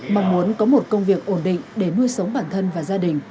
mong muốn có một công việc ổn định để nuôi sống bản thân và gia đình